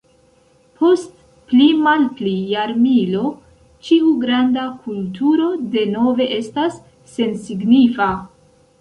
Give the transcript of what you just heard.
Post pli-malpli jarmilo ĉiu granda kulturo denove estas sensignifa.